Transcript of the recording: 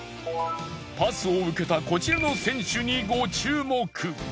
パスを受けたこちらの選手にご注目。